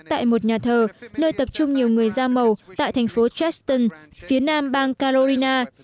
tại một nhà thờ nơi tập trung nhiều người da màu tại thành phố chaston phía nam bang carolina